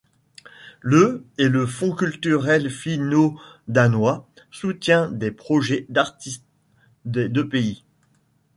Le et le Fond culturel finno-danois soutient des projets d'artistes des deux pays.